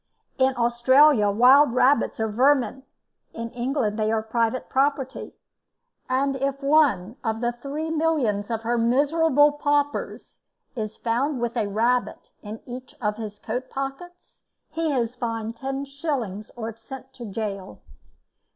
In Australia wild rabbits are vermin, in England they are private property; and if one of the three millions of her miserable paupers is found with a rabbit in each of his coat pockets, he is fined 10s. or sent to gaol.